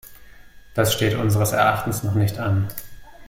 Das steht unseres Erachtens noch nicht an.